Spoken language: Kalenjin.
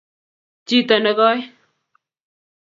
Jito nekoi